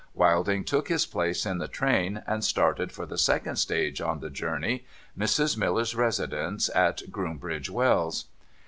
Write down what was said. Wilding took his place in the train, and started for the second stage on the journey — Mrs. Miller's residence at Groom bridge Wells.